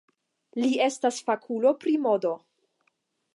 Li estas fakulo pri modo.